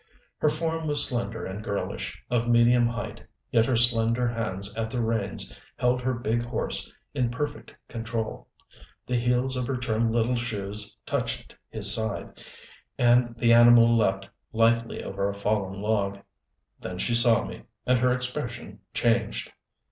Her form was slender and girlish, of medium height, yet her slender hands at the reins held her big horse in perfect control. The heels of her trim little shoes touched his side, and the animal leaped lightly over a fallen log. Then she saw me, and her expression changed.